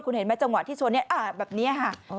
คุณเห็นไหมจังหวะที่ชนเนี่ยแบบนี้ค่ะ